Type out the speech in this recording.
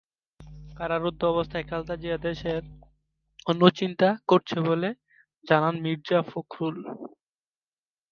কারারুদ্ধ অবস্থায়ও খালেদা জিয়া দেশের জন্য চিন্তা করছেন বলে জানান মির্জা ফখরুল।